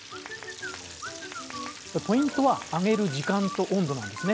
ポイントは揚げる時間と温度なんですね。